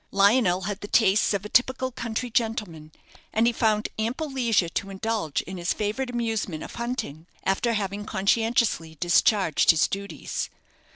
Lionel had the tastes of a typical country gentleman, and he found ample leisure to indulge in his favourite amusement of hunting, after having conscientiously discharged his duties.